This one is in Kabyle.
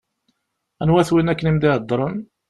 Anwa-t win akken i m-d-iheddṛen?